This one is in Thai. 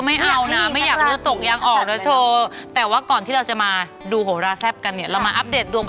มีคือสองคนนั้นแหละมั้ง